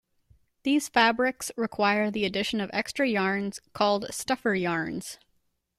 These fabrics require the addition of extra yarns, called stuffer yarns.